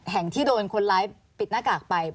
แห่งที่โดนคนร้ายปิดหน้ากากไป